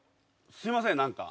すいません何か。